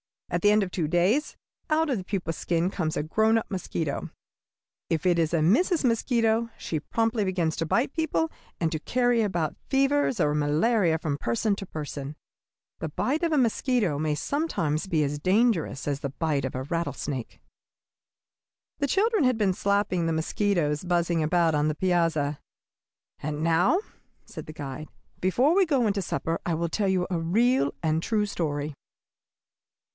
At the end of two days out of the pupa skin comes a grown up mosquito. If it is a Mrs. Mosquito, she promptly begins to bite people and to carry about fevers or malaria from person to person. The bite of a mosquito may sometimes be as dangerous as the bite of a rattlesnake." The children had been slapping the mosquitoes buzzing about on the piazza. "And now," said the guide, "before we go into supper, I will tell you a real and a true story.